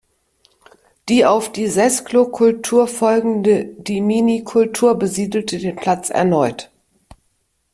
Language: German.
Die auf die Sesklo-Kultur folgende Dimini-Kultur besiedelte den Platz erneut.